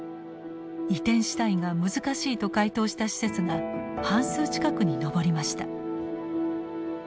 「移転したいが難しい」と回答した施設が半数近くに上りました。